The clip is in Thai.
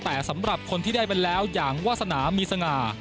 แต่สำหรับคนที่ได้ไปแล้วอย่างวาสนามีสง่า